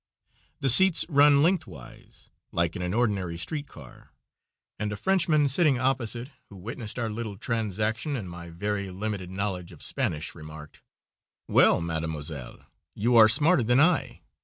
The seats run lengthwise, like in an ordinary street car, and a Frenchman sitting opposite, who witnessed our little transaction and my very limited knowledge of Spanish, remarked: "Well, mademoiselle, you are smarter than I.